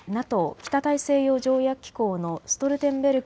・北大西洋条約機構のストルテンベルグ